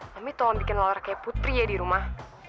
mami tolong bikin laura kayak putri ya di rumah